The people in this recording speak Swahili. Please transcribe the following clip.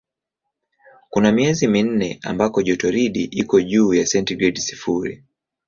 Kuna miezi minne ambako jotoridi iko juu ya sentigredi sifuri.